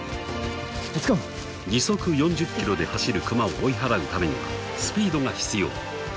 ［時速４０キロで走るクマを追い払うためにはスピードが必要］